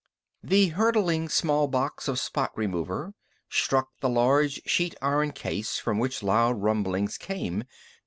The hurtling small box of spot remover struck the large sheet iron case from which loud rumblings came.